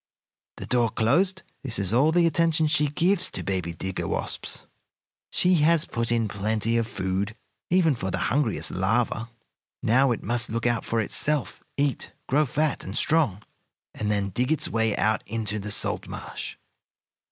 The door closed, this is all the attention she gives to baby digger wasps. She has put in plenty of food, even for the hungriest larva. Now it must look out for itself, eat, grow fat and strong, and then dig its way out into the salt marsh.